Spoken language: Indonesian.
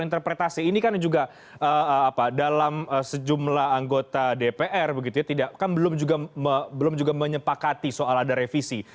interpretasi ini kan juga dalam sejumlah anggota dpr begitu ya kan belum juga menyepakati soal ada revisi